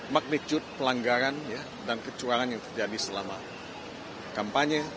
magnitude pelanggaran dan kecurangan yang terjadi selama kampanye